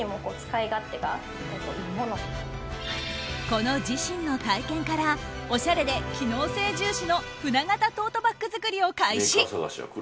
この自身の体験からおしゃれで機能性重視の舟形トートバッグ作りを開始。